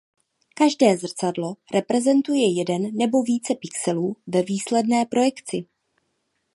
Každé zrcadlo reprezentuje jeden nebo více pixelů ve výsledné projekci.